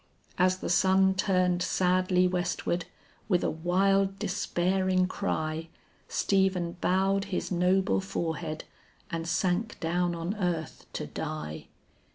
As the sun turned sadly westward, with a wild despairing cry, Stephen bowed his noble forehead and sank down on earth to die.